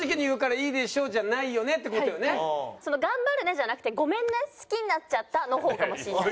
じゃなくて「ごめんね」「好きになっちゃった」の方かもしれない。